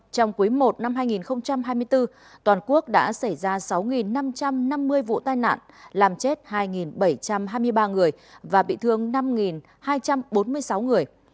trong quý i năm hai nghìn hai mươi bốn toàn quốc đã xảy ra sáu năm trăm năm mươi vụ tai nạn làm chết hai bảy trăm hai mươi ba người và bị thương năm hai trăm bốn mươi sáu người